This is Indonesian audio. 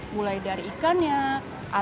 mulai dari ikan makanan dan makanan lainnya